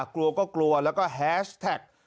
กลัวก็กลัวแล้วก็แฮชแท็ก